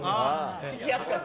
聞きやすかった。